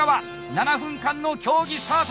７分間の競技スタート！